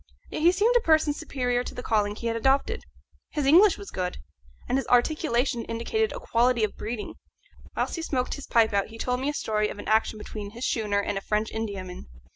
Yet he seemed a person superior to the calling he had adopted. His English was good, and his articulation indicated a quality of breeding. Whilst he smoked his pipe out he told me a story of an action between this schooner and a French Indiaman.